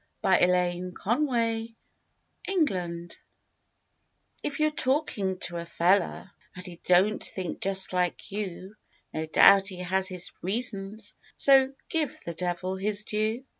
"GIVE THE DEVIL HIS DUE" If you're talkin' to a fellar And he don't think just like you, No doubt he has his reasons, So "Give the devil his due."